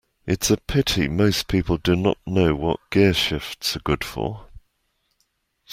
It's a pity most people do not know what gearshifts are good for.